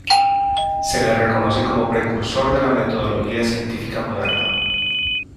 Se le reconoce como "precursor de la metodología científica moderna".